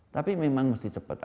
tapi memang mesti cepat